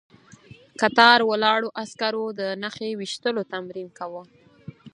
کتار ولاړو عسکرو د نښې ويشتلو تمرين کاوه.